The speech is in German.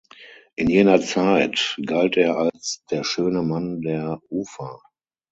In jener Zeit galt er als „der schöne Mann der Ufa“.